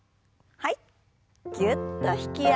はい。